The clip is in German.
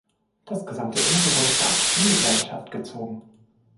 Das gesamte Innere wurde stark in Mitleidenschaft gezogen.